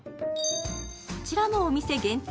こちらのお店限定